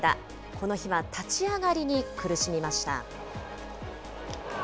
この日は立ち上がりに苦しみました。